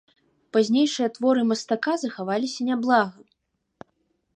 Пазнейшыя творы мастака захаваліся няблага.